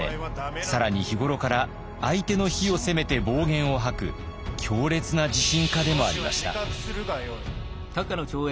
更に日頃から相手の非を責めて暴言を吐く強烈な自信家でもありました。